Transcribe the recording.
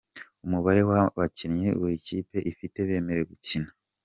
Umubare w’abakinnyi buri kipe ifite bemerewe gukina:.